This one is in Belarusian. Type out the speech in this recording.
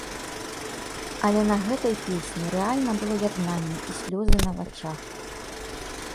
Але на гэтай песні рэальна было яднанне і слёзы на вачах.